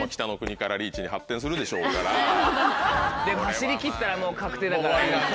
走り切ったらもう確定だから。